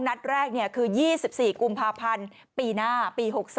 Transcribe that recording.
นัดแรกคือ๒๔กุมภาพันธ์ปีหน้าปี๖๓